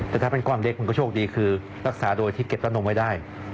แต่ถ้าเป็นความเล็กคุณก็โชคดีคือรักษาโดยที่เก็บรัดนมไว้ได้